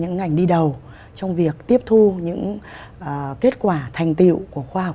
những ngành đi đầu trong việc tiếp thu những kết quả thành tiệu của khoa học